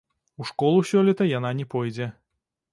У школу сёлета яна не пойдзе.